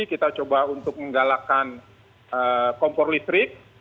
kita coba untuk menggalakkan kompor listrik